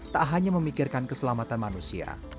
tak hanya memikirkan keselamatan manusia